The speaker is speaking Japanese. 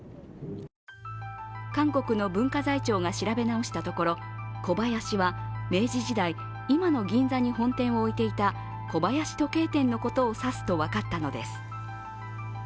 韓国の文化財庁が調べ直したところ「小林」は明治時代、今の銀座に本店を置いていた小林時計店のことを指すと分かったのです。